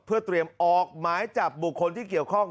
เพื่อเตรียมออกหมายจับบุคคลที่เกี่ยวข้อง